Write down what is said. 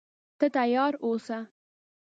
ته تیار اوسه.